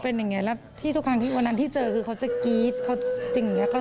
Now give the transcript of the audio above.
เมื่อเพื่อนเห็นทุกครั้งคงนี้คิดว่าน้อยหรือเป็นปกติมีกว่ามากกว่า